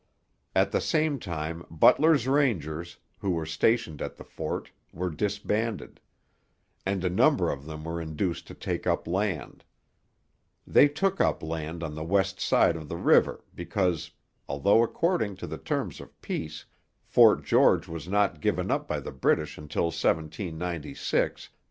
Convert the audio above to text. At the same time Butler's Rangers, who were stationed at the fort, were disbanded; and a number of them were induced to take up land. They took up land on the west side of the river, because, although, according to the terms of peace, Fort George was not given up by the British until 1796, the river was to constitute the boundary between the two countries.